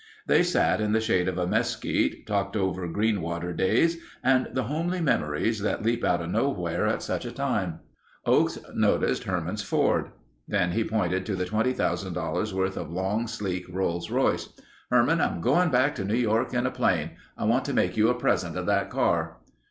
They sat in the shade of a mesquite, talked over Greenwater days and the homely memories that leap out of nowhere at such a time. Oakes noticed Herman's Ford. Then he pointed to the $20,000 worth of long, sleek Rolls Royce. "Herman, I'm going back to New York in a plane. I want to make you a present of that car."